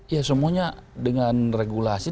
ya semuanya dengan regulasi